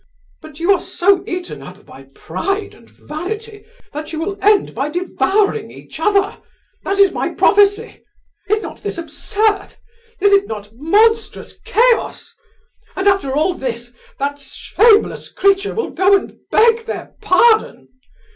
But you are so eaten up by pride and vanity, that you will end by devouring each other—that is my prophecy! Is not this absurd? Is it not monstrous chaos? And after all this, that shameless creature will go and beg their pardon!